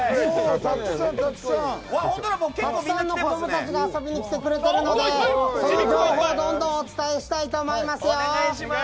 たくさんの子供たちが遊びに来てくれているのでその情報をどんどんお伝えしたいと思いますよ。